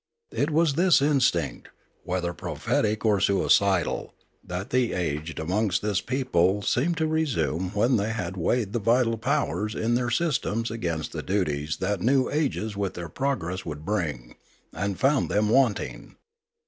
It was this instinct, whether prophetic or suicidal, that the aged amongst this people seemed to resume when they had weighed the vital powers in their systems against the duties that new ages with their progress would bring, and found them wanting.